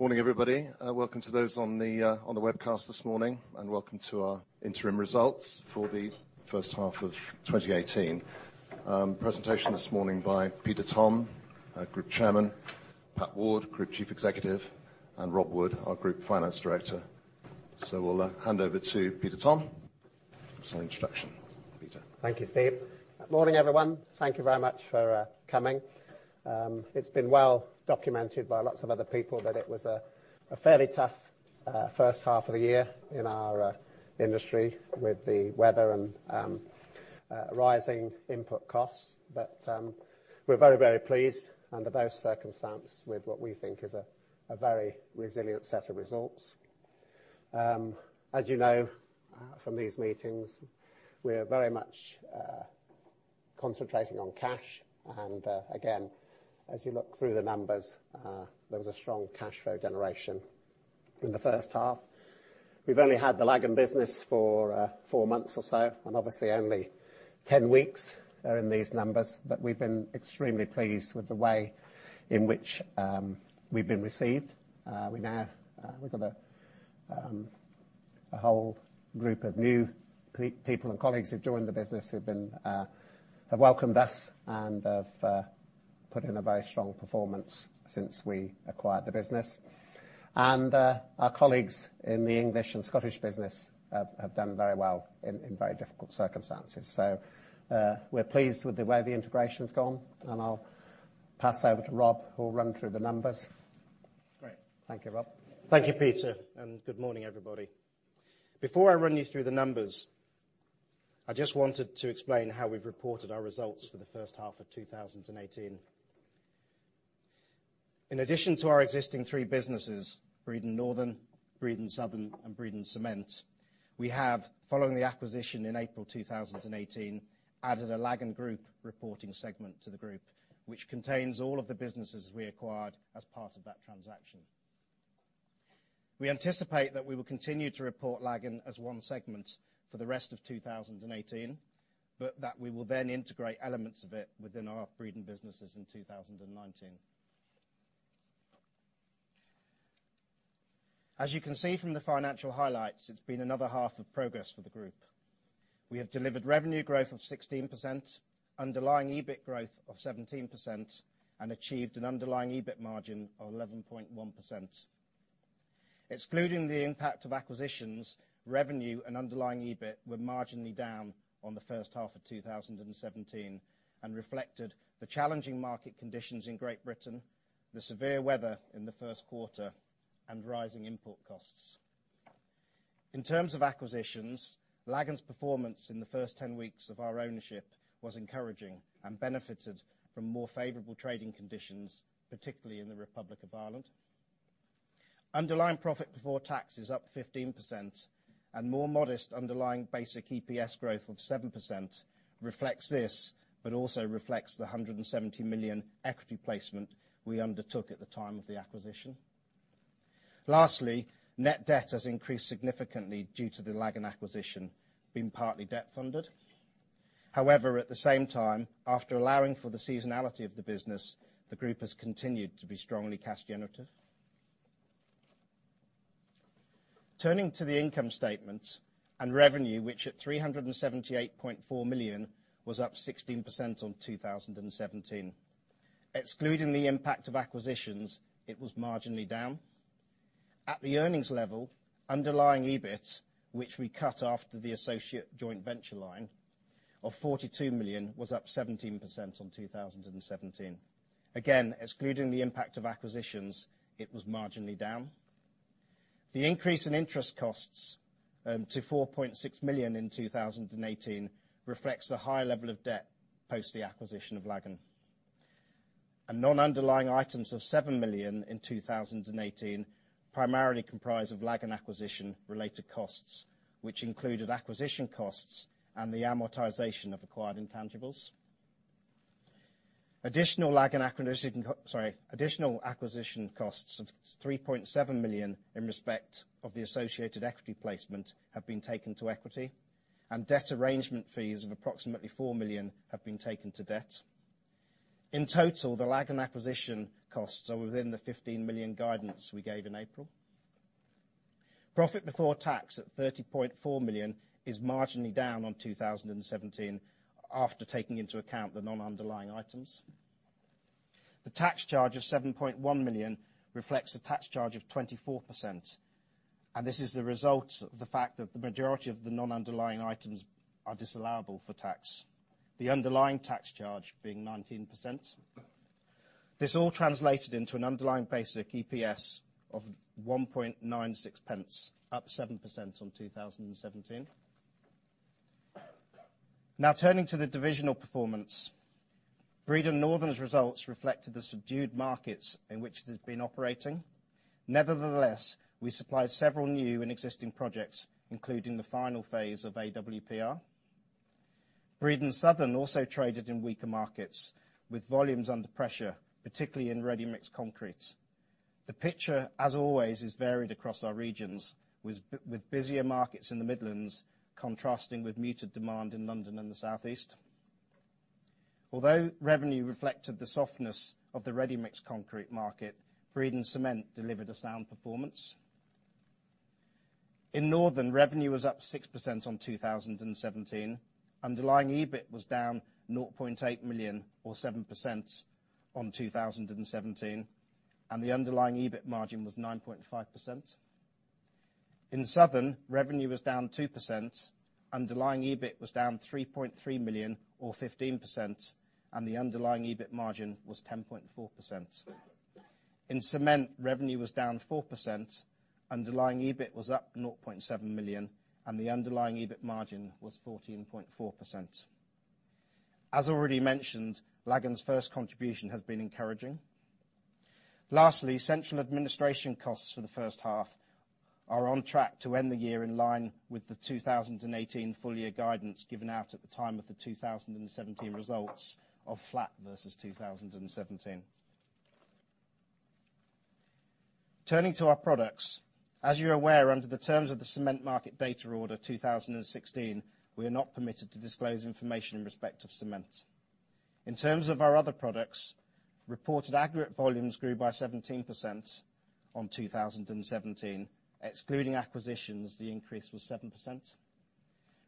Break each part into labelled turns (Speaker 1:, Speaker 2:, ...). Speaker 1: Morning, everybody. Welcome to those on the webcast this morning, and welcome to our interim results for the first half of 2018. Presentation this morning by Peter Tom, Group Chairman, Pat Ward, Group Chief Executive, and Rob Wood, our Group Finance Director. We'll hand over to Peter Tom for some introduction. Peter?
Speaker 2: Thank you, Steve. Morning, everyone. Thank you very much for coming. It's been well documented by lots of other people that it was a fairly tough first half of the year in our industry with the weather and rising input costs. We're very, very pleased under those circumstance with what we think is a very resilient set of results. As you know from these meetings, we are very much concentrating on cash. Again, as you look through the numbers, there was a strong cash flow generation in the first half. We've only had the Lagan business for 4 months or so, and obviously only 10 weeks are in these numbers. We've been extremely pleased with the way in which we've been received. We've got a whole group of new people and colleagues who've joined the business who have welcomed us and have put in a very strong performance since we acquired the business. Our colleagues in the English and Scottish business have done very well in very difficult circumstances. We're pleased with the way the integration's gone, and I'll pass over to Rob, who will run through the numbers.
Speaker 3: Great.
Speaker 2: Thank you, Rob.
Speaker 3: Thank you, Peter, and good morning, everybody. Before I run you through the numbers, I just wanted to explain how we've reported our results for the first half of 2018. In addition to our existing three businesses, Breedon Northern, Breedon Southern, and Breedon Cement, we have, following the acquisition in April 2018, added a Lagan Group reporting segment to the group, which contains all of the businesses we acquired as part of that transaction. We anticipate that we will continue to report Lagan as one segment for the rest of 2018, but that we will then integrate elements of it within our Breedon businesses in 2019. As you can see from the financial highlights, it's been another half of progress for the group. We have delivered revenue growth of 16%, underlying EBIT growth of 17%, and achieved an underlying EBIT margin of 11.1%. Excluding the impact of acquisitions, revenue and underlying EBIT were marginally down on the first half of 2017. Reflected the challenging market conditions in Great Britain, the severe weather in the first quarter, and rising input costs. In terms of acquisitions, Lagan's performance in the first 10 weeks of our ownership was encouraging and benefited from more favorable trading conditions, particularly in the Republic of Ireland. Underlying profit before tax is up 15% and more modest underlying basic EPS growth of 7% reflects this. Also reflects the 170 million equity placement we undertook at the time of the acquisition. Lastly, net debt has increased significantly due to the Lagan acquisition being partly debt funded. At the same time, after allowing for the seasonality of the business, the group has continued to be strongly cash generative. Turning to the income statement and revenue, which at 378.4 million, was up 16% on 2017. Excluding the impact of acquisitions, it was marginally down. At the earnings level, underlying EBIT, which we cut after the associate joint venture line of 42 million, was up 17% on 2017. Again, excluding the impact of acquisitions, it was marginally down. The increase in interest costs to 4.6 million in 2018 reflects the high level of debt post the acquisition of Lagan. Non-underlying items of 7 million in 2018 primarily comprise of Lagan acquisition related costs, which included acquisition costs and the amortization of acquired intangibles. Additional acquisition costs of 3.7 million in respect of the associated equity placement have been taken to equity. Debt arrangement fees of approximately 4 million have been taken to debt. In total, the Lagan acquisition costs are within the 15 million guidance we gave in April. Profit before tax at 30.4 million is marginally down on 2017 after taking into account the non-underlying items. The tax charge of 7.1 million reflects a tax charge of 24%. This is the result of the fact that the majority of the non-underlying items are disallowable for tax, the underlying tax charge being 19%. This all translated into an underlying basic EPS of 0.0196, up 7% on 2017. Now turning to the divisional performance. Breedon Northern's results reflected the subdued markets in which it has been operating. Nevertheless, we supplied several new and existing projects, including the final phase of AWPR. Breedon Southern also traded in weaker markets, with volumes under pressure, particularly in ready-mix concrete. The picture, as always, is varied across our regions, with busier markets in the Midlands contrasting with muted demand in London and the Southeast. Although revenue reflected the softness of the ready-mixed concrete market, Breedon Cement delivered a sound performance. In Northern, revenue was up 6% on 2017. Underlying EBIT was down 0.8 million or 7% on 2017, and the underlying EBIT margin was 9.5%. In Southern, revenue was down 2%, underlying EBIT was down 3.3 million or 15%, and the underlying EBIT margin was 10.4%. In Cement, revenue was down 4%, underlying EBIT was up 0.7 million, and the underlying EBIT margin was 14.4%. As already mentioned, Lagan's first contribution has been encouraging. Lastly, central administration costs for the first half are on track to end the year in line with the 2018 full year guidance given out at the time of the 2017 results of flat versus 2017. Turning to our products, as you're aware, under the terms of the Cement Market Data Order 2016, we are not permitted to disclose information in respect of cement. In terms of our other products, reported aggregate volumes grew by 17% on 2017. Excluding acquisitions, the increase was 7%.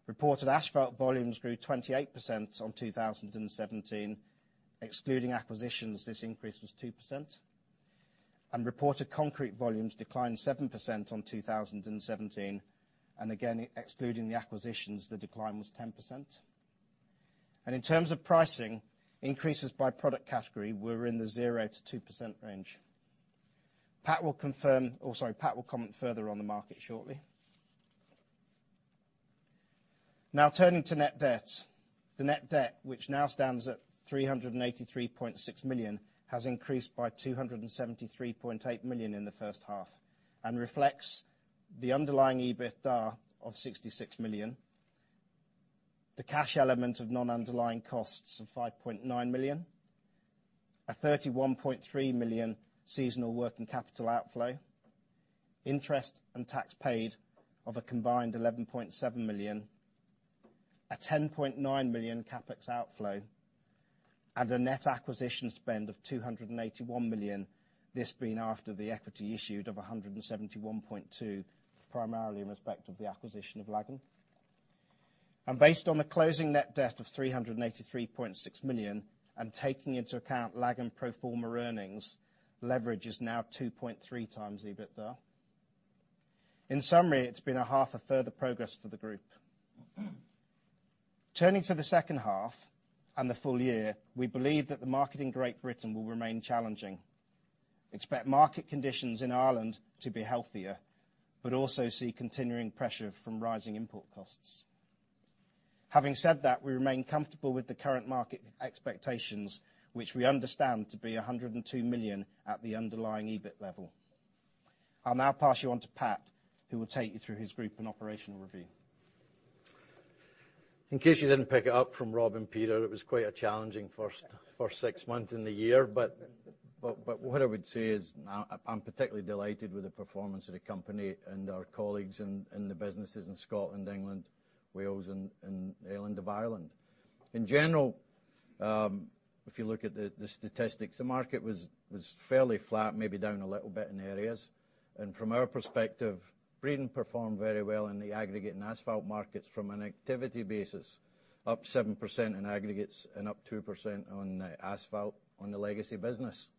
Speaker 3: Reported asphalt volumes grew 28% on 2017. Excluding acquisitions, this increase was 2%. Reported concrete volumes declined 7% on 2017, and again, excluding the acquisitions, the decline was 10%. In terms of pricing, increases by product category were in the 0%-2% range. Pat will comment further on the market shortly. Now turning to net debt. The net debt, which now stands at 383.6 million, has increased by 273.8 million in the first half and reflects the underlying EBITDA of 66 million, the cash element of non-underlying costs of 5.9 million, a 31.3 million seasonal working capital outflow, interest and tax paid of a combined 11.7 million, a 10.9 million CapEx outflow, and a net acquisition spend of 281 million, this being after the equity issued of 171.2, primarily in respect of the acquisition of Lagan. Based on the closing net debt of 383.6 million and taking into account Lagan pro forma earnings, leverage is now 2.3 times EBITDA. In summary, it's been a half of further progress for the group. Turning to the second half and the full year, we believe that the market in Great Britain will remain challenging. Expect market conditions in Ireland to be healthier, but also see continuing pressure from rising input costs. Having said that, we remain comfortable with the current market expectations, which we understand to be 102 million at the underlying EBIT level. I'll now pass you on to Pat, who will take you through his group and operational review.
Speaker 4: In case you didn't pick it up from Rob and Peter, it was quite a challenging first six months in the year. What I would say is I'm particularly delighted with the performance of the company and our colleagues in the businesses in Scotland, England, Wales, and Ireland. In general, if you look at the statistics, the market was fairly flat, maybe down a little bit in areas. From our perspective, Breedon Group performed very well in the aggregate and asphalt markets from an activity basis. Up 7% in aggregates and up 2% on asphalt on the legacy business.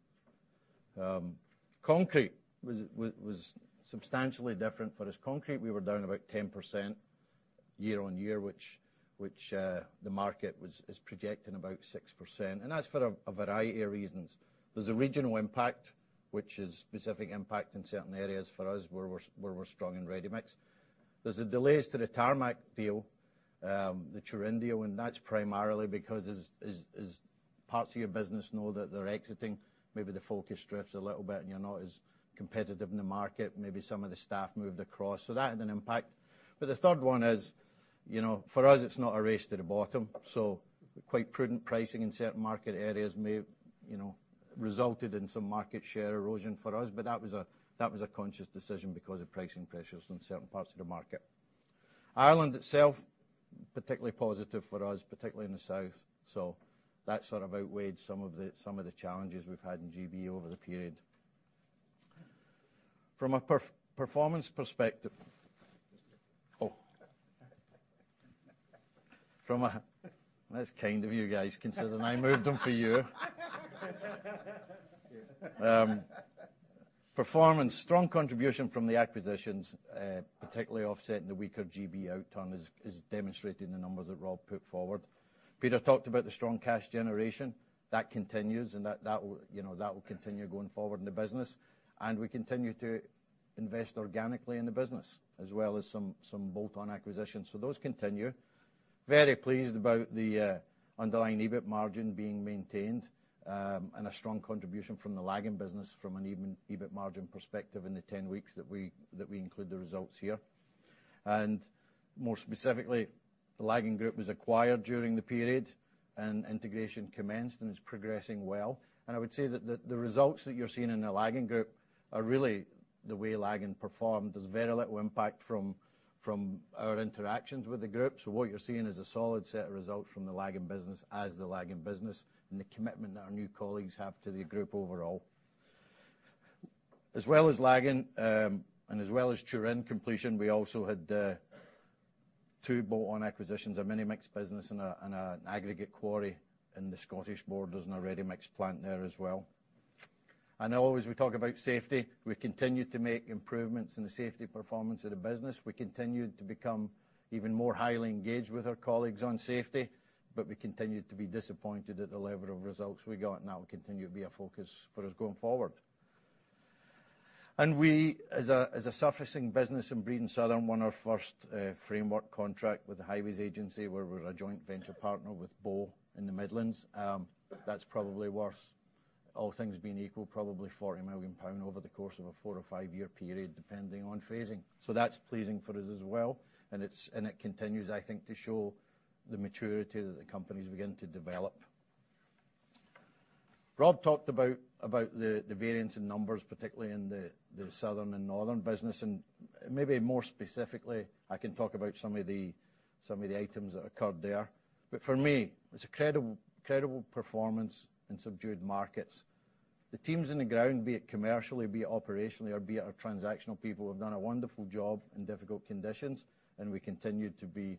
Speaker 4: Concrete was substantially different for us. Concrete, we were down about 10% year-on-year, which the market is projecting about 6%. That's for a variety of reasons. There's a regional impact, which is specific impact in certain areas for us where we're strong in ready mix. There's the delays to the Tarmac deal, the Lagan deal, and that's primarily because as parts of your business know that they're exiting, maybe the focus drifts a little bit and you're not as competitive in the market. Maybe some of the staff moved across. So that had an impact. The third one is, for us, it's not a race to the bottom. Quite prudent pricing in certain market areas may resulted in some market share erosion for us, but that was a conscious decision because of pricing pressures in certain parts of the market. Ireland itself, particularly positive for us, particularly in the south. So that sort of outweighed some of the challenges we've had in GB over the period. From a performance perspective. Oh. That's kind of you guys, considering I moved them for you. Performance, strong contribution from the acquisitions, particularly offsetting the weaker GB outturn, as demonstrated in the numbers that Rob Wood put forward. Peter Tom talked about the strong cash generation. That continues, and that will continue going forward in the business. We continue to invest organically in the business, as well as some bolt-on acquisitions. So those continue. Very pleased about the underlying EBIT margin being maintained, and a strong contribution from the Lagan business from an EBIT margin perspective in the 10 weeks that we include the results here. More specifically, the Lagan Group was acquired during the period, and integration commenced and is progressing well. I would say that the results that you're seeing in the Lagan Group are really the way Lagan Group performed. There's very little impact from our interactions with the group. What you're seeing is a solid set of results from the Lagan business as the Lagan business, and the commitment that our new colleagues have to the group overall. As well as Lagan Group and as well as Lagan completion, we also had two bolt-on acquisitions, a Minimix business and an aggregate quarry in the Scottish Borders, and a ready-mix plant there as well. I know always we talk about safety. We continue to make improvements in the safety performance of the business. We continue to become even more highly engaged with our colleagues on safety, but we continue to be disappointed at the level of results we got, and that will continue to be a focus for us going forward. We, as a surfacing business in Breedon Southern, won our first framework contract with the Highways Agency, where we're a joint venture partner with Bauer in the Midlands. That's probably worth, all things being equal, probably 40 million pound over the course of a four or five-year period, depending on phasing. That's pleasing for us as well, and it continues, I think, to show the maturity that the company's beginning to develop. Rob Wood talked about the variance in numbers, particularly in the Breedon Southern and Breedon Northern business, and maybe more specifically, I can talk about some of the items that occurred there. For me, it's incredible performance in subdued markets. The teams on the ground, be it commercially, be it operationally, or be it our transactional people, have done a wonderful job in difficult conditions, and we continue to be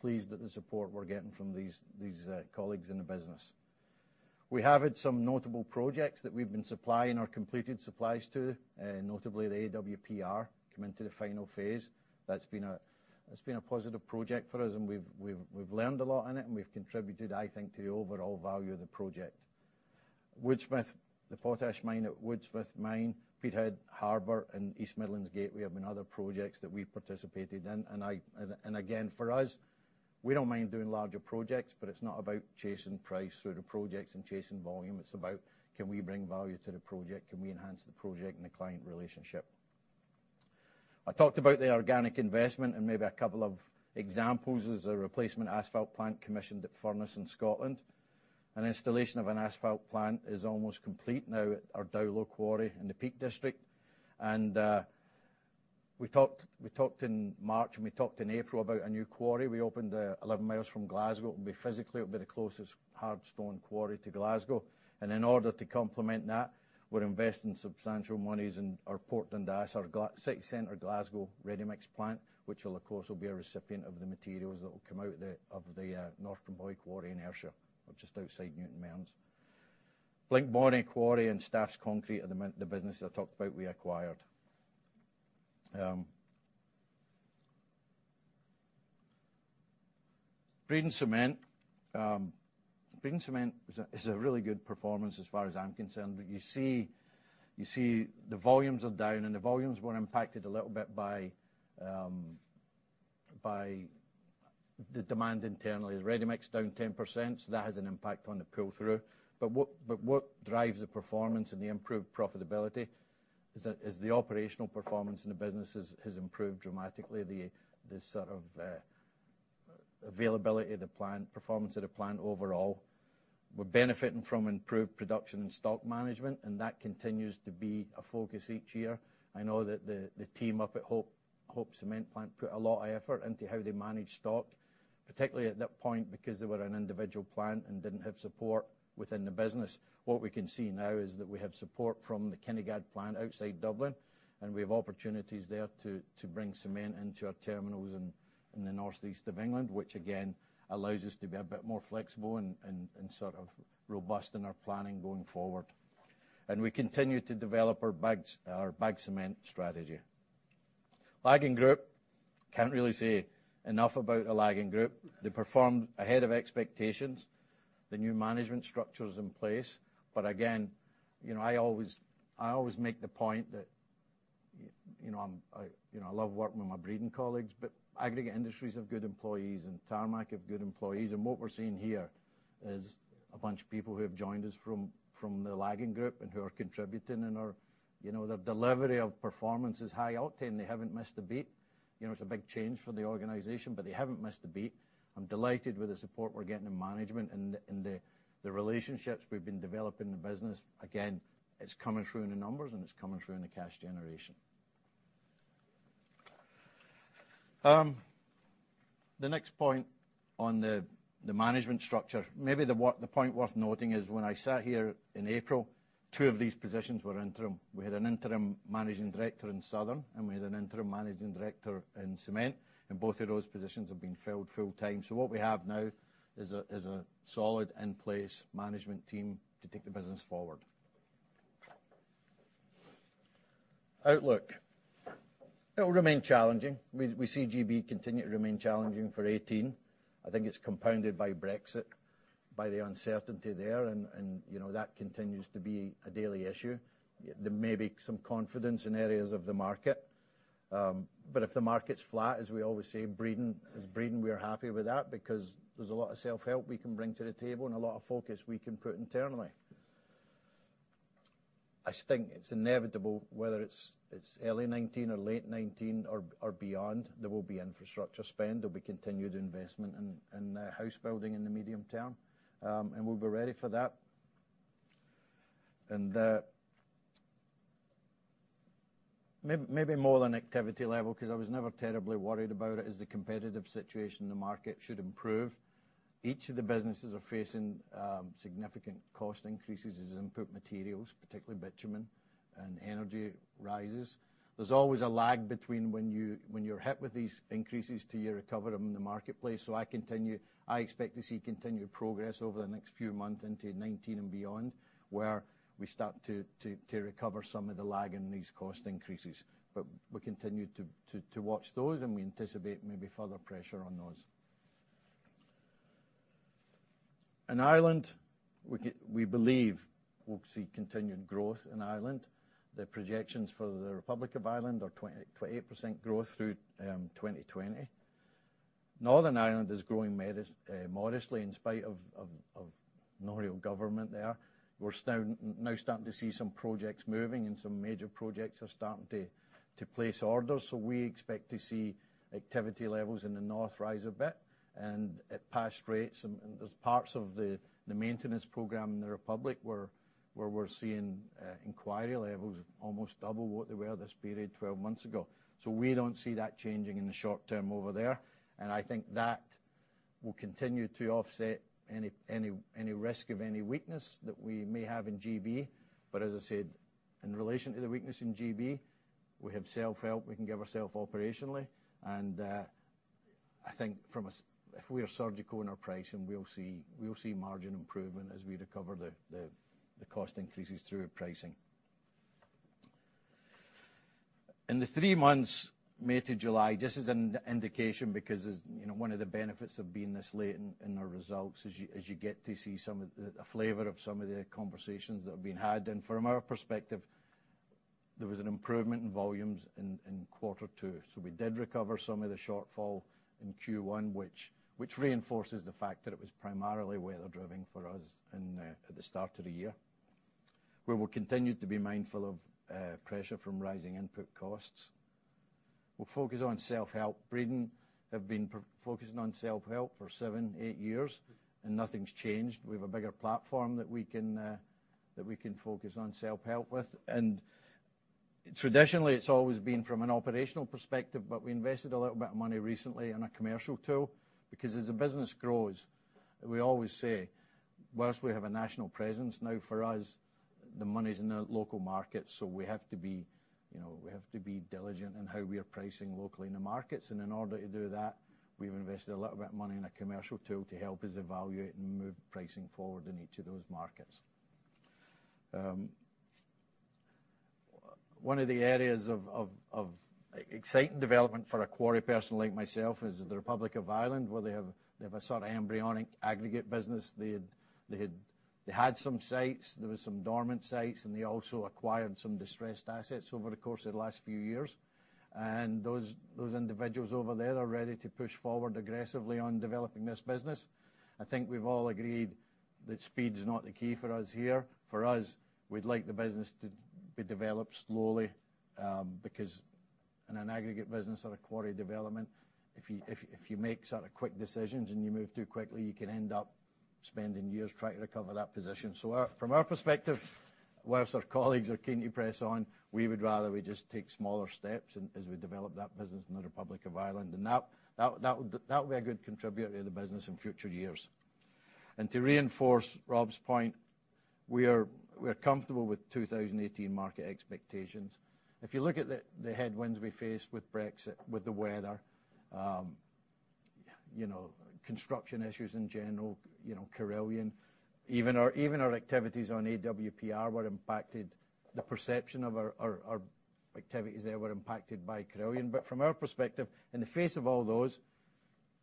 Speaker 4: pleased at the support we're getting from these colleagues in the business. We have had some notable projects that we've been supplying or completed supplies to, notably the AWPR, coming to the final phase. That's been a positive project for us, and we've learned a lot in it, and we've contributed, I think, to the overall value of the project. Woodsmith, the potash mine at Woodsmith Mine, Peterhead Harbour, and East Midlands Gateway have been other projects that we participated in. Again, for us, we don't mind doing larger projects, but it's not about chasing price through the projects and chasing volume. It's about can we bring value to the project? Can we enhance the project and the client relationship? I talked about the organic investment and maybe a couple of examples. There's a replacement asphalt plant commissioned at Furnace in Scotland. An installation of an asphalt plant is almost complete now at our Dowlow Quarry in the Peak District. We talked in March and we talked in April about a new quarry. We opened 11 miles from Glasgow. Physically, it'll be the closest hard stone quarry to Glasgow. In order to complement that, we're investing substantial monies in our (Portlandas), our city center Glasgow ready-mix plant, which will of course, will be a recipient of the materials that will come out of the North Benvie Quarry in Ayrshire, just outside Newton Mearns. Blinkbonny Quarry and Staffs Concrete are the business I talked about we acquired. Breedon Cement. Breedon Cement is a really good performance as far as I'm concerned. You see the volumes are down, and the volumes were impacted a little bit by the demand internally. Is ready-mix down 10%? That has an impact on the pull-through. What drives the performance and the improved profitability is the operational performance in the business has improved dramatically. The sort of availability of the plant, performance of the plant overall. We're benefiting from improved production and stock management, and that continues to be a focus each year. I know that the team up at Hope Cement plant put a lot of effort into how they manage stock, particularly at that point because they were an individual plant and didn't have support within the business. What we can see now is that we have support from the Kinnegad plant outside Dublin, and we have opportunities there to bring cement into our terminals in the northeast of England, which again, allows us to be a bit more flexible and sort of robust in our planning going forward. We continue to develop our bag cement strategy. Lagan Group, can't really say enough about the Lagan Group. They performed ahead of expectations. The new management structure is in place. Again, I always make the point that I love working with my Breedon colleagues, but Aggregate Industries have good employees and Tarmac have good employees. What we're seeing here is a bunch of people who have joined us from the Lagan Group and who are contributing and their delivery of performance is high octane. They haven't missed a beat. It's a big change for the organization, but they haven't missed a beat. I'm delighted with the support we're getting in management and the relationships we've been developing in the business. It's coming through in the numbers and it's coming through in the cash generation. The next point on the management structure. Maybe the point worth noting is when I sat here in April, two of these positions were interim. We had an interim managing director in Southern, and we had an interim managing director in Cement, and both of those positions have been filled full-time. What we have now is a solid in-place management team to take the business forward. Outlook. It will remain challenging. We see G.B. continue to remain challenging for 2018. I think it's compounded by Brexit, by the uncertainty there, and that continues to be a daily issue. There may be some confidence in areas of the market. If the market's flat, as we always say, as Breedon, we are happy with that because there's a lot of self-help we can bring to the table and a lot of focus we can put internally. I think it's inevitable, whether it's early 2019 or late 2019 or beyond, there'll be infrastructure spend, there'll be continued investment in house building in the medium term. We'll be ready for that. Maybe more than activity level, because I was never terribly worried about it, is the competitive situation in the market should improve. Each of the businesses are facing significant cost increases as input materials, particularly bitumen and energy rises. There's always a lag between when you're hit with these increases to you recover them in the marketplace. I expect to see continued progress over the next few months into 2019 and beyond, where we start to recover some of the lag in these cost increases. We continue to watch those, and we anticipate maybe further pressure on those. In Ireland, we believe we'll see continued growth in Ireland. The projections for the Republic of Ireland are 28% growth through 2020. Northern Ireland is growing modestly in spite of no real government there. We're now starting to see some projects moving. Some major projects are starting to place orders. We expect to see activity levels in the North rise a bit, and at past rates. There's parts of the maintenance program in the Republic where we're seeing inquiry levels almost double what they were this period 12 months ago. We don't see that changing in the short term over there, and I think that will continue to offset any risk of any weakness that we may have in G.B. As I said, in relation to the weakness in G.B., we have self-help we can give ourself operationally. I think if we are surgical in our pricing, we will see margin improvement as we recover the cost increases through pricing. In the three months, May to July, just as an indication, because one of the benefits of being this late in our results is you get to see a flavor of some of the conversations that have been had. From our perspective, there was an improvement in volumes in quarter two. We did recover some of the shortfall in Q1, which reinforces the fact that it was primarily weather driving for us at the start of the year. We will continue to be mindful of pressure from rising input costs. We'll focus on self-help. Breedon has been focusing on self-help for seven, eight years, and nothing's changed. We have a bigger platform that we can focus on self-help with. Traditionally it's always been from an operational perspective, but we invested a little bit of money recently in a commercial tool. As the business grows, we always say whilst we have a national presence now for us, the money's in the local market, so we have to be diligent in how we are pricing locally in the markets. In order to do that, we've invested a little bit of money in a commercial tool to help us evaluate and move pricing forward in each of those markets. One of the areas of exciting development for a quarry person like myself is the Republic of Ireland, where they have a sort of embryonic aggregate business. They had some sites, there were some dormant sites, and they also acquired some distressed assets over the course of the last few years. Those individuals over there are ready to push forward aggressively on developing this business. I think we've all agreed that speed is not the key for us here. For us, we'd like the business to be developed slowly, because in an aggregate business or a quarry development, if you make sort of quick decisions and you move too quickly, you can end up spending years trying to recover that position. From our perspective, whilst our colleagues are keen to press on, we would rather we just take smaller steps as we develop that business in the Republic of Ireland. That would be a good contributor to the business in future years. To reinforce Rob's point, we are comfortable with 2018 market expectations. If you look at the headwinds we face with Brexit, with the weather, construction issues in general, Carillion. Even our activities on AWPR were impacted. The perception of our activities there were impacted by Carillion. From our perspective, in the face of all those,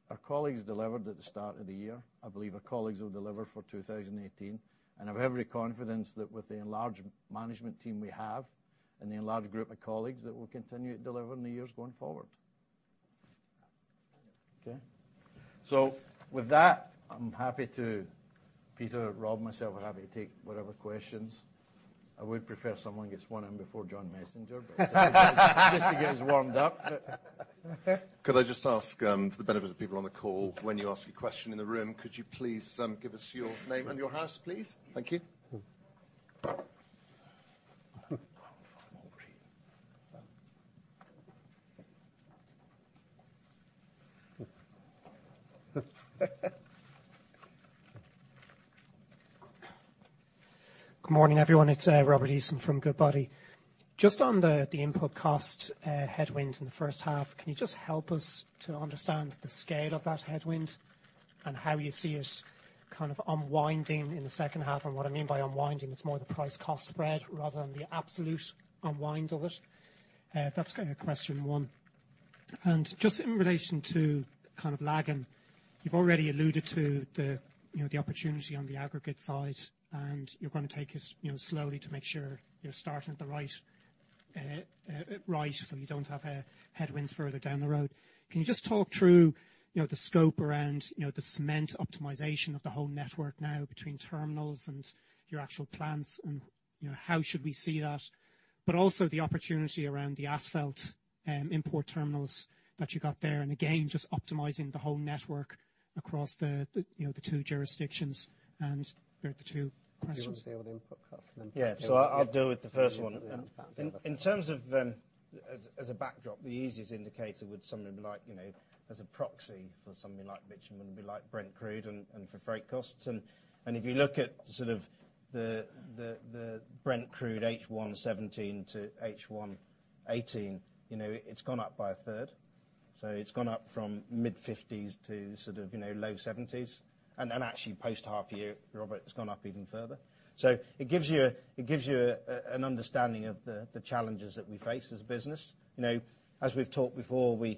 Speaker 4: our colleagues delivered at the start of the year. I believe our colleagues will deliver for 2018. I have every confidence that with the enlarged management team we have and the enlarged group of colleagues, that we'll continue delivering in the years going forward. Okay. With that, Peter, Rob, myself are happy to take whatever questions. I would prefer someone gets one in before John Messenger, but just to get us warmed up.
Speaker 1: Could I just ask for the benefit of people on the call, when you ask a question in the room, could you please give us your name and your house, please? Thank you.
Speaker 5: Good morning, everyone. It's Robert Eason from Goodbody. Just on the input cost headwind in the first half, can you just help us to understand the scale of that headwind and how you see it kind of unwinding in the second half? What I mean by unwinding, it's more the price cost spread rather than the absolute unwind of it. That's kind of question one. Just in relation to kind of Lagan, you've already alluded to the opportunity on the aggregate side, and you're going to take it slowly to make sure you're starting at the right Right, you don't have headwinds further down the road. Can you just talk through the scope around the cement optimization of the whole network now between terminals and your actual plants, and how should we see that? Also the opportunity around the asphalt import terminals that you got there, again, just optimizing the whole network across the two jurisdictions and the two questions.
Speaker 3: Do you want to stay on the input cost? I'll deal with the first one we can move onto the other side. In terms of, as a backdrop, the easiest indicator would somebody be like, as a proxy for something like bitumen, would be like Brent crude and for freight costs. If you look at sort of the Brent crude H1 2017 to H1 2018, it's gone up by a third. It's gone up from mid GBP 50s to sort of low GBP 70s. Then actually post half year, Robert, it's gone up even further. It gives you an understanding of the challenges that we face as a business. As we've talked before, we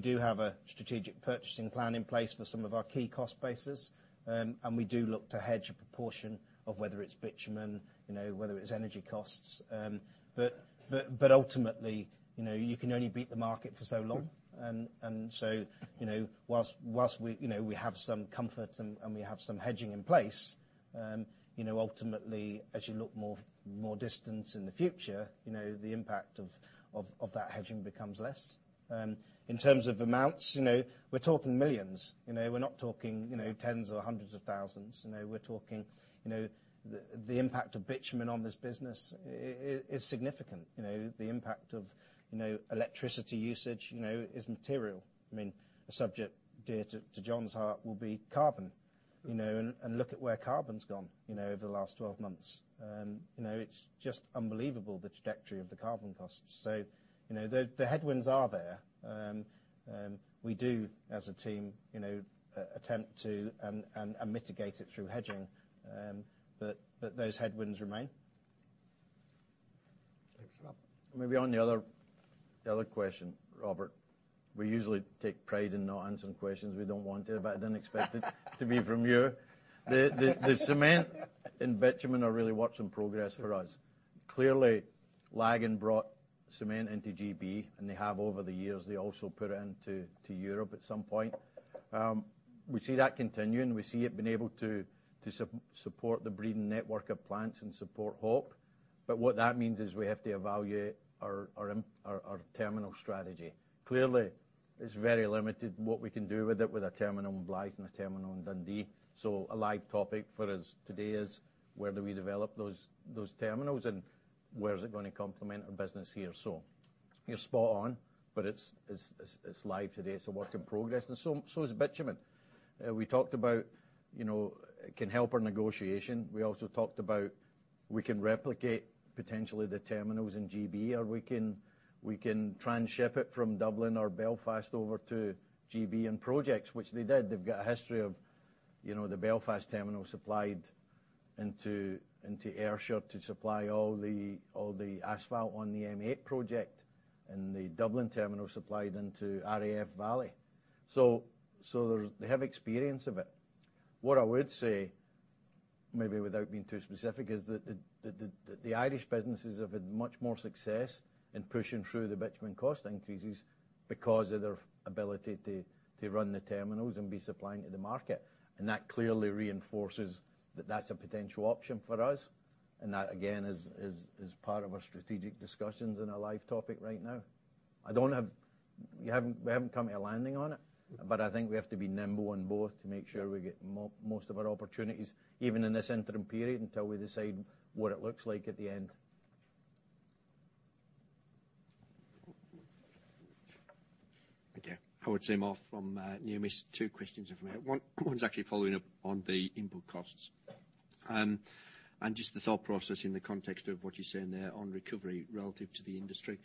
Speaker 3: do have a strategic purchasing plan in place for some of our key cost bases. We do look to hedge a proportion of whether it's bitumen, whether it's energy costs. Ultimately, you can only beat the market for so long. Whilst we have some comfort and we have some hedging in place, ultimately, as you look more distant in the future, the impact of that hedging becomes less. In terms of amounts, we're talking millions. We're not talking tens or hundreds of thousands. We're talking the impact of bitumen on this business is significant. The impact of electricity usage is material. I mean, a subject dear to John's heart will be carbon. Look at where carbon's gone over the last 12 months. It's just unbelievable the trajectory of the carbon costs. The headwinds are there. We do, as a team, attempt to mitigate it through hedging. Those headwinds remain.
Speaker 6: Thanks.
Speaker 4: Rob. Maybe on the other question, Robert, we usually take pride in not answering questions we don't want to, I didn't expect it to be from you. The cement and bitumen are really work in progress for us. Clearly, Lagan brought cement into GB, and they have over the years, they also put it into Europe at some point. We see that continuing. We see it been able to support the Breedon network of plants and support Hope. What that means is we have to evaluate our terminal strategy. Clearly, it's very limited what we can do with it with a terminal in Blyth and a terminal in Dundee. A live topic for us today is where do we develop those terminals, and where is it going to complement our business here? You're spot on, but it's live today. It's a work in progress.
Speaker 3: So is bitumen. We talked about it can help our negotiation. We also talked about we can replicate potentially the terminals in GB, or we can try and ship it from Dublin or Belfast over to GB and projects, which they did. They've got a history of the Belfast terminal supplied into Ayrshire to supply all the asphalt on the M8 project, and the Dublin terminal supplied into RAF Valley. They have experience of it. What I would say, maybe without being too specific, is that the Irish businesses have had much more success in pushing through the bitumen cost increases because of their ability to run the terminals and be supplying to the market. That clearly reinforces that that's a potential option for us. That, again, is part of our strategic discussions and a live topic right now. We haven't come to a landing on it, I think we have to be nimble on both to make sure we get most of our opportunities, even in this interim period, until we decide what it looks like at the end.
Speaker 6: Okay. Howard Seymour from Numis. Two questions if I may. One is actually following up on the input costs. Just the thought process in the context of what you're saying there on recovery relative to the industry.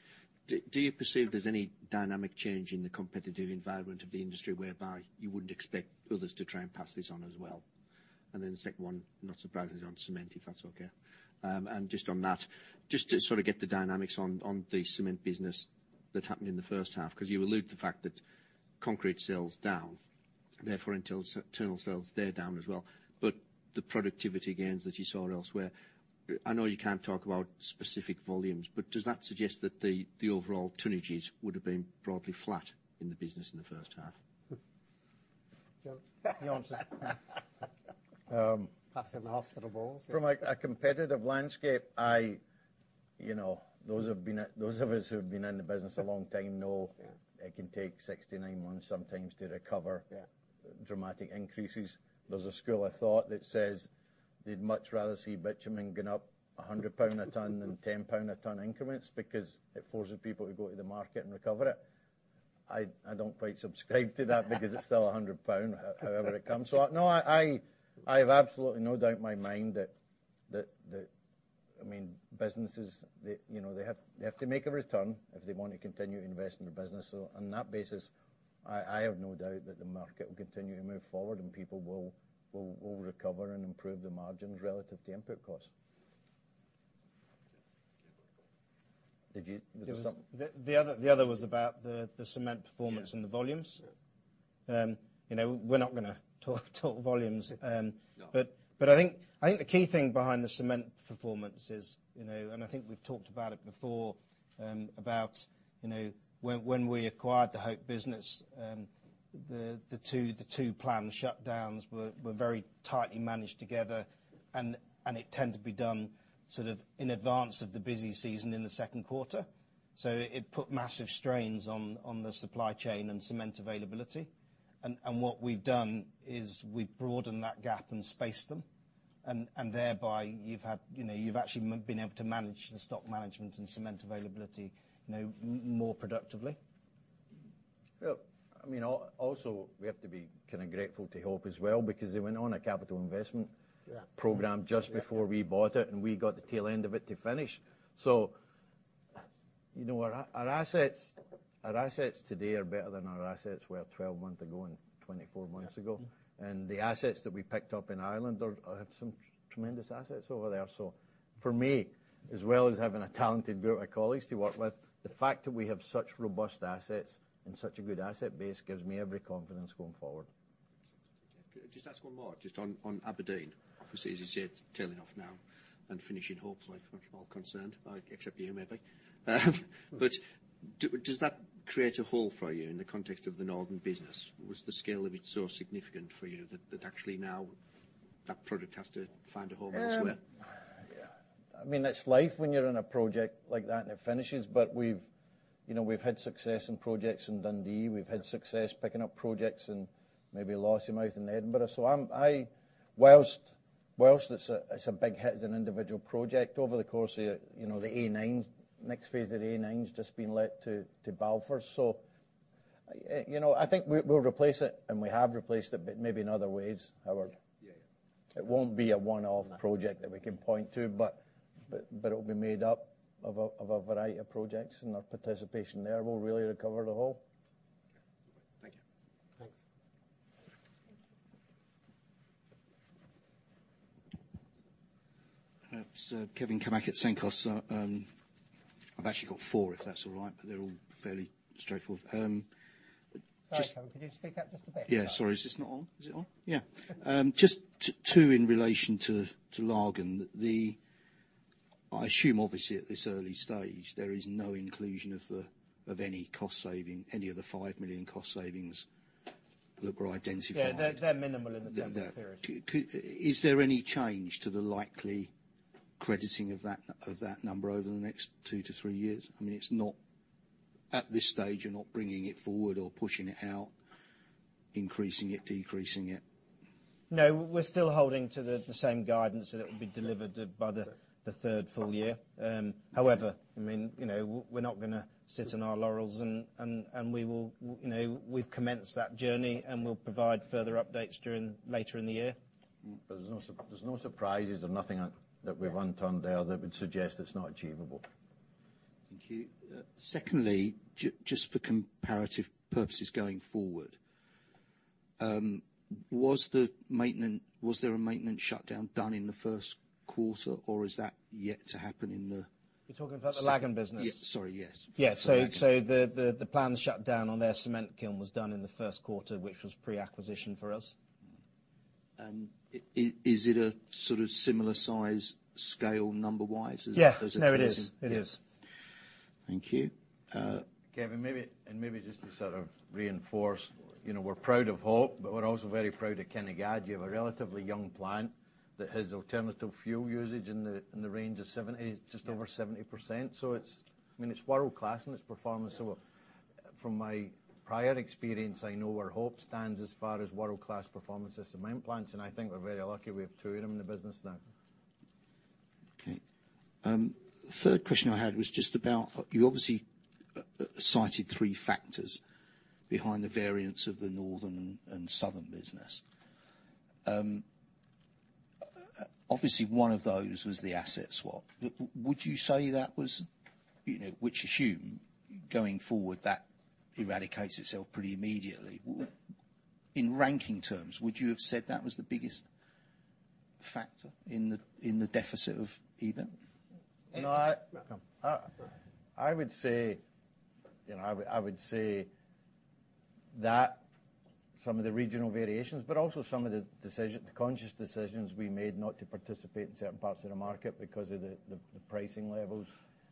Speaker 6: Do you perceive there's any dynamic change in the competitive environment of the industry whereby you wouldn't expect others to try and pass this on as well? The second one, not surprisingly, on cement, if that's okay. Just on that, just to sort of get the dynamics on the cement business that happened in the first half, because you allude to the fact that concrete sales down, therefore internal sales, they're down as well. The productivity gains that you saw elsewhere, I know you can't talk about specific volumes, but does that suggest that the overall tonnages would have been broadly flat in the business in the first half?
Speaker 4: John. You answer. Passing the hospital balls. From a competitive landscape, those of us who've been in the business a long time know it can take 6-9 months sometimes to recover dramatic increases. There's a school of thought that says they'd much rather see bitumen going up 100 pound a ton than 10 pound a ton increments because it forces people to go to the market and recover it. I don't quite subscribe to that because it's still 100 pound however it comes. No, I have absolutely no doubt in my mind that, businesses, they have to make a return if they want to continue to invest in the business. On that basis, I have no doubt that the market will continue to move forward and people will recover and improve the margins relative to input costs. Did you, was there something?
Speaker 3: The other was about the cement performance and the volumes. We're not going to talk volumes.
Speaker 4: No. I think the key thing behind the cement performance is, and I think we've talked about it before, about when we acquired the Hope business, the 2 planned shutdowns were very tightly managed together, and it tended to be done in advance of the busy season in the second quarter. So it put massive strains on the supply chain and cement availability. And what we've done is we've broadened that gap and spaced them. And thereby, you've actually been able to manage the stock management and cement availability more productively. Also, we have to be grateful to Hope as well, because they went on a capital investment-
Speaker 3: Yeah
Speaker 4: program just before we bought it, and we got the tail end of it to finish. So, our assets today are better than our assets were 12 months ago and 24 months ago.
Speaker 3: Yeah.
Speaker 4: The assets that we picked up in Ireland are some tremendous assets over there. So for me, as well as having a talented group of colleagues to work with, the fact that we have such robust assets and such a good asset base gives me every confidence going forward.
Speaker 6: Excellent. Can I just ask one more just on Aberdeen? Obviously, as you said, tailing off now and finishing Hope, from all concerned, except you maybe. Does that create a hole for you in the context of the Northern business? Was the scale of it so significant for you that actually now that product has to find a home elsewhere?
Speaker 4: Yeah. It's life when you're in a project like that and it finishes. We've had success in projects in Dundee. We've had success picking up projects in maybe Lossiemouth and Edinburgh. Whilst it's a big hit as an individual project, over the course of the A9, next phase of the A9's just been let to Balfour. I think we'll replace it, and we have replaced it, but maybe in other ways, Howard.
Speaker 3: Yeah.
Speaker 4: It won't be a one-off project that we can point to, but it will be made up of a variety of projects, and our participation there will really recover the whole.
Speaker 6: Okay. Thank you.
Speaker 4: Thanks. Thank you.
Speaker 7: It's Kevin Cammack at Cenkos. I've actually got four, if that's all right, but they're all fairly straightforward.
Speaker 3: Sorry, Kevin, could you speak up just a bit?
Speaker 7: Yeah, sorry. Is this not on? Is it on? Yeah. Just two in relation to Lagan. I assume, obviously, at this early stage, there is no inclusion of any of the 5 million cost savings that were identified.
Speaker 3: Yeah, they're minimal in the sense of period.
Speaker 7: Is there any change to the likely crediting of that number over the next two to three years? At this stage, you're not bringing it forward or pushing it out, increasing it, decreasing it?
Speaker 3: No, we're still holding to the same guidance that it will be delivered by the third full year. However, we're not going to sit on our laurels, and we've commenced that journey, and we'll provide further updates later in the year.
Speaker 4: There's no surprises or nothing that we've uncovered there that would suggest it's not achievable.
Speaker 7: Thank you. Just for comparative purposes going forward, was there a maintenance shutdown done in the first quarter, or is that yet to happen in the second?
Speaker 3: You're talking about the Lagan business?
Speaker 7: Yeah. Sorry. Yes.
Speaker 3: Yeah.
Speaker 7: Lagan.
Speaker 3: The planned shutdown on their cement kiln was done in the first quarter, which was pre-acquisition for us.
Speaker 7: Is it a sort of similar size, scale, number-wise as it was in-
Speaker 3: Yeah. No, it is. It is.
Speaker 7: Thank you.
Speaker 4: Kevin, maybe just to sort of reinforce, we're proud of Hope, but we're also very proud of Kinnegad. You have a relatively young plant that has alternative fuel usage in the range of just over 70%. It's world-class in its performance. From my prior experience, I know where Hope stands as far as world-class performance as cement plants, and I think we're very lucky we have two of them in the business now.
Speaker 7: Okay. Third question I had was just about, you obviously cited three factors behind the variance of the Breedon Northern and Breedon Southern business. Obviously, one of those was the asset swap. I assume going forward that eradicates itself pretty immediately. In ranking terms, would you have said that was the biggest factor in the deficit of EBIT?
Speaker 4: No. I would say that some of the regional variations, but also some of the conscious decisions we made not to participate in certain parts of the market because of the pricing levels.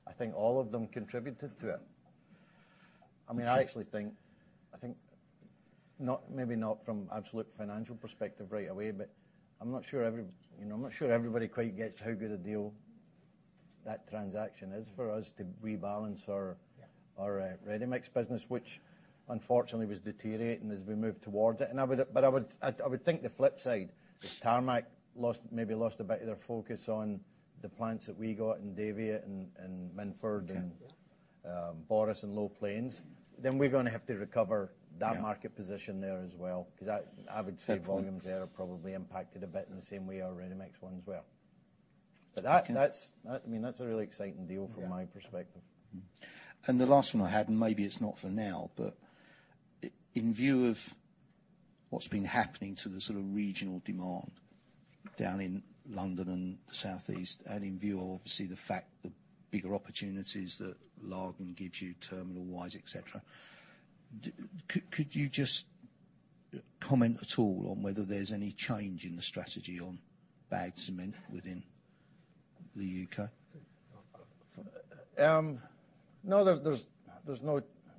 Speaker 4: I think all of them contributed to it. I actually think maybe not from absolute financial perspective right away, but I'm not sure everybody quite gets how good a deal that transaction is for us to rebalance our ready-mixed business, which unfortunately was deteriorating as we moved towards it. I would think the flip side, because Tarmac maybe lost a bit of their focus on the plants that we got in Daviot and Minffordd.
Speaker 7: Okay
Speaker 4: Borras and Low Plains, we're going to have to recover that market position there as well, because I would say volumes there are probably impacted a bit in the same way our ready-mixed ones were. That's a really exciting deal from my perspective.
Speaker 7: The last one I had, and maybe it's not for now, but in view of what's been happening to the sort of regional demand down in London and the Southeast, and in view of, obviously, the fact that bigger opportunities that Lagan gives you terminal-wise, et cetera, could you just comment at all on whether there's any change in the strategy on bagged cement within the U.K.?
Speaker 4: No,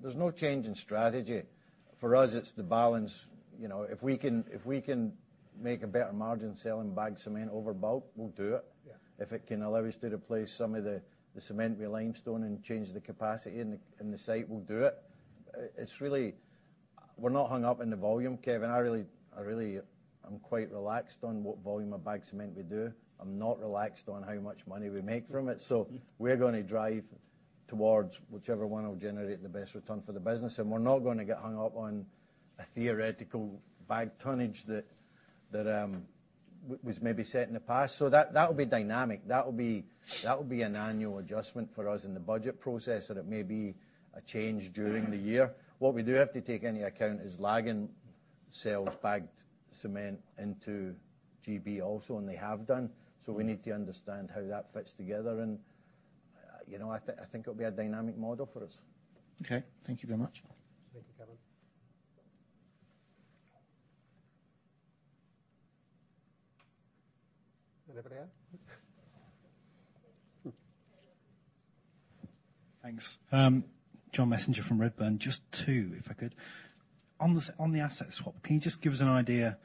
Speaker 4: there's no change in strategy. For us, it's the balance. If we can make a better margin selling bagged cement over bulk, we'll do it.
Speaker 7: Yeah.
Speaker 4: If it can allow us to replace some of the cement (re-limestone) and change the capacity in the site, we'll do it. We're not hung up on the volume, Kevin. I really am quite relaxed on what volume of bagged cement we do. I'm not relaxed on how much money we make from it. We're going to drive towards whichever one will generate the best return for the business. We're not going to get hung up on a theoretical bagged tonnage that was maybe set in the past. That will be dynamic. That will be an annual adjustment for us in the budget process, or it may be a change during the year. What we do have to take into account is Lagan sells bagged cement into GB also, and they have done. We need to understand how that fits together, and I think it'll be a dynamic model for us.
Speaker 7: Okay, thank you very much.
Speaker 4: Thank you, Kevin. Anybody else?
Speaker 8: Thanks. John Messenger from Redburn. Just two, if I could. On the asset swap, can you just give us an idea,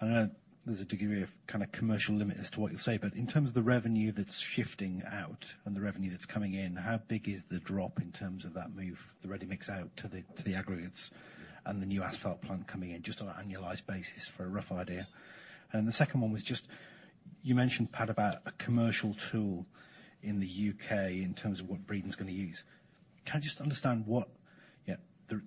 Speaker 8: I know there's a degree of commercial limit as to what you'll say, but in terms of the revenue that's shifting out and the revenue that's coming in, how big is the drop in terms of that move, the ready mix out to the aggregates and the new asphalt plant coming in, just on an annualized basis for a rough idea? The second one was just you mentioned, Pat, about a commercial tool in the U.K. in terms of what Breedon's going to use. Can I just understand what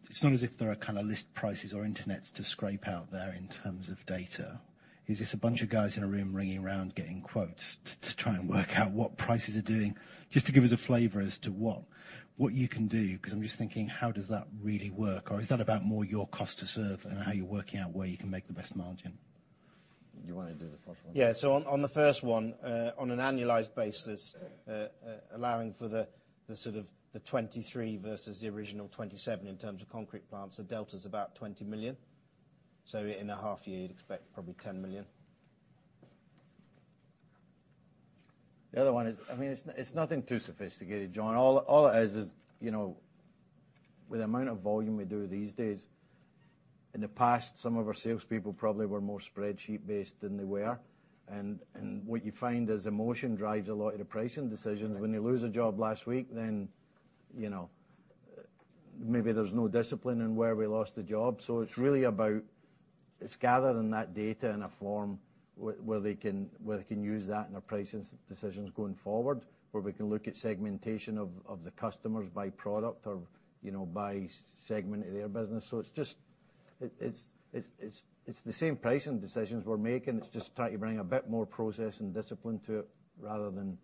Speaker 8: It's not as if there are list prices or internet to scrape out there in terms of data. Is this a bunch of guys in a room ringing around getting quotes to try and work out what prices are doing? Just to give us a flavor as to what you can do, because I'm just thinking how does that really work? Is that about more your cost to serve and how you're working out where you can make the best margin?
Speaker 4: Do you want to do the first one?
Speaker 3: Yeah. On the first one, on an annualized basis, allowing for the 23 versus the original 27 in terms of concrete plants, the delta is about 20 million. In a half year, you'd expect probably 10 million.
Speaker 4: The other one is, it's nothing too sophisticated, John. All it is, with the amount of volume we do these days, in the past, some of our salespeople probably were more spreadsheet based than they were. What you find is emotion drives a lot of the pricing decisions. When you lose a job last week, then maybe there's no discipline in where we lost the job. It's really about it's gathering that data in a form where they can use that in their pricing decisions going forward, where we can look at segmentation of the customers by product or by segment of their business. It's the same pricing decisions we're making. It's just trying to bring a bit more process and discipline to it rather than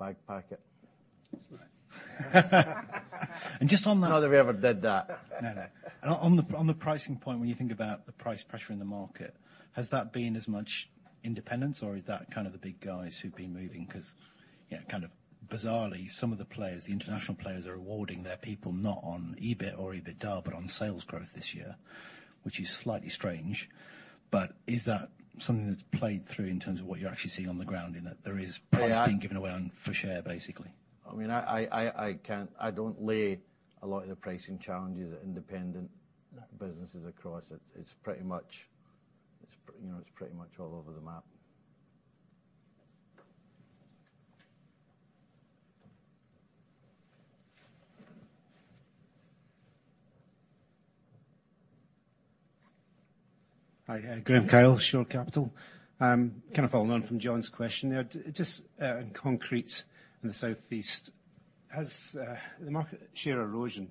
Speaker 4: fag packet.
Speaker 8: That's right. Just on that.
Speaker 4: Not that we ever did that.
Speaker 8: No, no. On the pricing point, when you think about the price pressure in the market, has that been as much independents or is that kind of the big guys who've been moving? Because bizarrely, some of the players, the international players, are rewarding their people not on EBIT or EBITDA, but on sales growth this year, which is slightly strange. Is that something that's played through in terms of what you're actually seeing on the ground, in that there is price being given away for share, basically?
Speaker 4: I don't lay a lot of the pricing challenges at independent businesses across it. It's pretty much all over the map.
Speaker 9: Hi. Graham Kyle, Shore Capital. Kind of following on from John's question there. Just on concrete in the Southeast, has the market share erosion,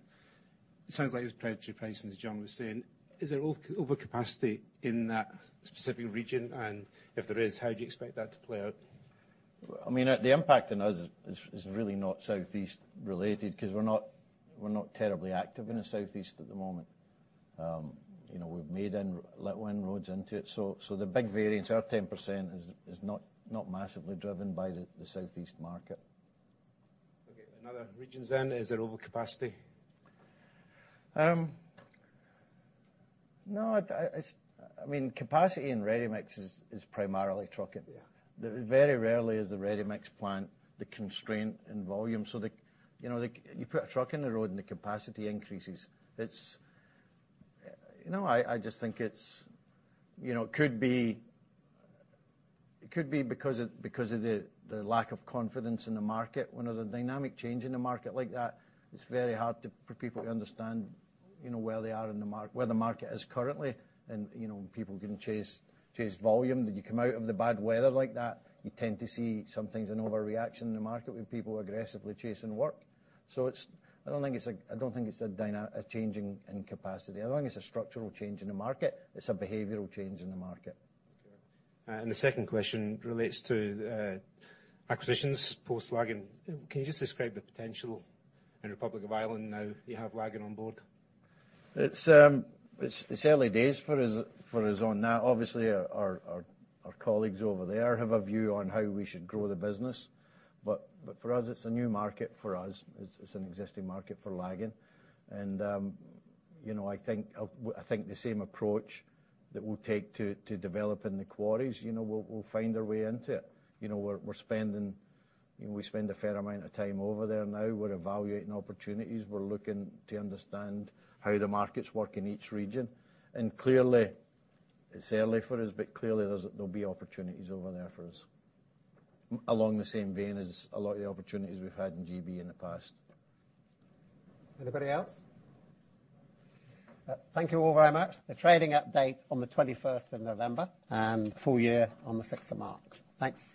Speaker 9: it sounds like it was predatory pricing, as John was saying. Is there overcapacity in that specific region? If there is, how do you expect that to play out?
Speaker 4: The impact on us is really not Southeast related because we're not terribly active in the Southeast at the moment. We've made little inroads into it. The big variance, our 10%, is not massively driven by the Southeast market.
Speaker 9: Okay. Another region, is there overcapacity?
Speaker 4: No. Capacity in ready mix is primarily trucking.
Speaker 9: Yeah.
Speaker 4: Very rarely is the ready mix plant the constraint in volume. You put a truck on the road and the capacity increases. It could be because of the lack of confidence in the market. When there's a dynamic change in the market like that, it's very hard for people to understand where the market is currently. People can chase volume. You come out of the bad weather like that, you tend to see sometimes an overreaction in the market with people aggressively chasing work. I don't think it's a change in capacity. I don't think it's a structural change in the market. It's a behavioral change in the market.
Speaker 9: Okay. The second question relates to acquisitions post Lagan. Can you just describe the potential in Republic of Ireland now that you have Lagan on board?
Speaker 4: It's early days for us on that. Obviously, our colleagues over there have a view on how we should grow the business. For us, it's a new market for us. It's an existing market for Lagan. I think the same approach that we'll take to developing the quarries, we'll find our way into it. We spend a fair amount of time over there now. We're evaluating opportunities. We're looking to understand how the markets work in each region. Clearly, it's early for us, but clearly, there'll be opportunities over there for us. Along the same vein as a lot of the opportunities we've had in GB in the past. Anybody else? Thank you all very much. The trading update on the 21st of November, and full year on the 6th of March. Thanks.